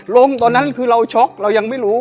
ตอนนั้นคือเราช็อกเรายังไม่รู้